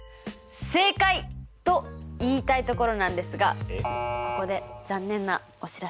正解！と言いたいところなんですがここで残念なお知らせです。